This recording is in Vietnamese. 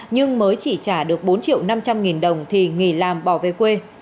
nhưng mới chỉ trả được bốn triệu năm trăm linh nghìn đồng thì nghỉ làm bỏ về quê